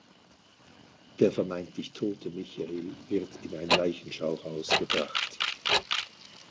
Der vermeintlich tote Michael wird in ein Leichenschauhaus gebracht.